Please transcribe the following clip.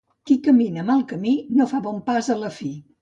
Qui camina mal camí no fa bon pas a la fi.